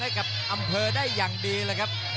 ให้อำเภอได้อย่างดีครับ